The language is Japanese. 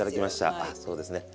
はいそうですね。